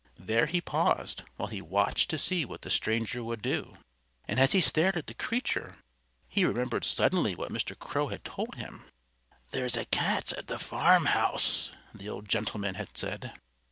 There he paused, while he watched to see what the stranger would do. And as he stared at the creature he remembered suddenly what Mr. Crow had told him. "There's a cat at the farmhouse," the old gentleman had said.